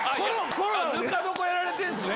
ぬか床やられてんすね。